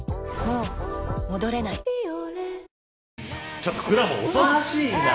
ちょっとくらもんおとなしいな。